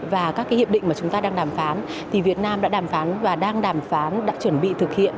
và các hiệp định mà chúng ta đang đàm phán thì việt nam đã đàm phán và đang đàm phán đã chuẩn bị thực hiện